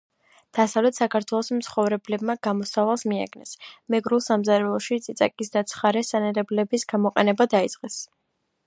დასავლეთ საქართველოს მცხოვრებლებმა გამოსავალს მიაგნეს. მეგრულ სამზარეულოში წიწაკის და ცხარე სანენებლების გამოყენება დაიწყეს